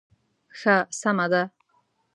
ښه سمه ده.